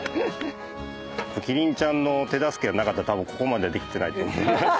麒麟ちゃんの手助けがなかったら多分ここまでできてないと。